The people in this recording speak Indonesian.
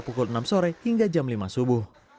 pada jam enam belas sore hingga jam lima subuh